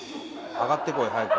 上がってこい早く。